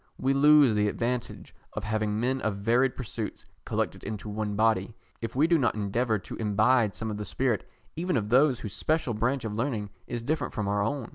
We lose the advantage of having men of varied pursuits collected into one body, if we do not endeavour to imbibe some of the spirit even of those whose special branch of learning is different from our own.